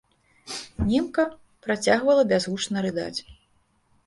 Немка працягвала бязгучна рыдаць.